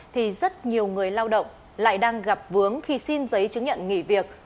thì rất nhiều người lao động lại đang gặp vướng khi xin giấy chứng nhận nghỉ việc